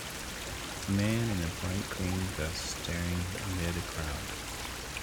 Man in a bright green vest staring amid a crowd.